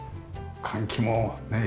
換気もね